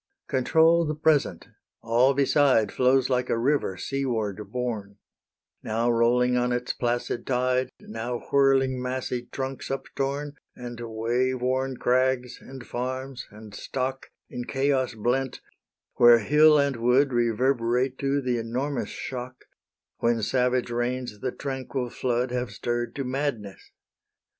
Control the present: all beside Flows like a river seaward borne, Now rolling on its placid tide, Now whirling massy trunks uptorn, And waveworn crags, and farms, and stock, In chaos blent, while hill and wood Reverberate to the enormous shock, When savage rains the tranquil flood Have stirr'd to madness.